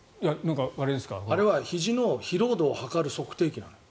あれはひじの疲労度を測る測定器なの。